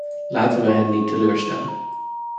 Laten we hen niet teleurstellen.